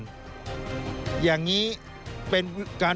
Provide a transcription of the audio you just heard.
ส่วนต่างกระโบนการ